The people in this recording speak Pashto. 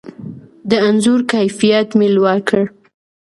د انځور کیفیت مې لوړ کړ.